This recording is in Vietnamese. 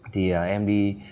thì em đi